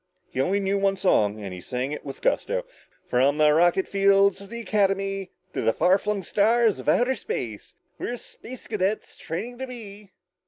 He only knew one song and he sang it with gusto. "From the rocket fields of the Academy To the far flung stars of outer space, We're Space Cadets training to be...."